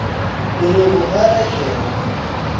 Ur uɣeɣ ara akal.